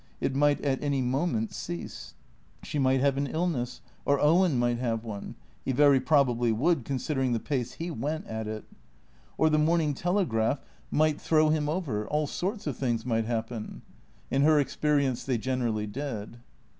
It might at any moment cease. She might have an illness, or Owen miglit have one; he very probably would, considering tlie pace lie went at it. Or the " Morning Telegraph " might throw 434 THECREATOES him over. All sorts of things might hajapen. In her experience they generally did.